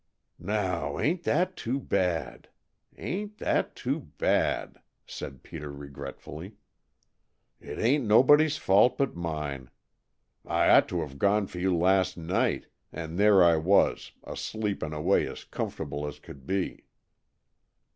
"Now, ain't that too bad! Ain't that too bad!" said Peter regretfully. "It ain't nobody's fault but mine. I ought to have gone for you last night, and there I was, a sleepin' away as comfortable as could be!"